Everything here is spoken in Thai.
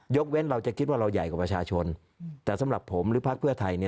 เว้นเราจะคิดว่าเราใหญ่กว่าประชาชนแต่สำหรับผมหรือพักเพื่อไทย